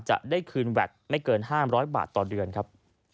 จะได้คืนแวดไม่เกิน๕๐๐บาทต่อเดือนครับ